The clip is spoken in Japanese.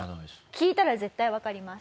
聴いたら絶対わかります。